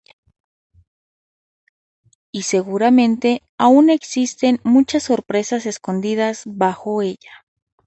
Y seguramente aun existen muchas sorpresas escondidas bajo ella.